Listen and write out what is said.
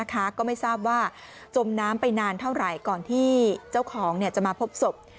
ก็ไม่ทราบว่าจมน้ำไปนานเท่าไหร่ก่อนที่เจ้าของจะมาพบศพ